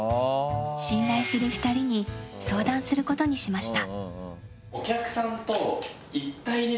信頼する２人に相談することにしました。